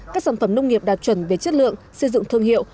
các sản phẩm nông nghiệp đạt chuẩn về chất lượng xây dựng thương hiệu